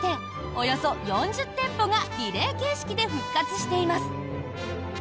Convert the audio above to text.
およそ４０店舗がリレー形式で復活しています。